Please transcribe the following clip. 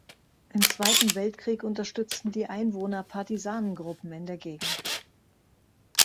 Im Zweiten Weltkrieg unterstützten die Einwohner Partisanengruppen in der Gegend.